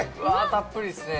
たっぷりっすね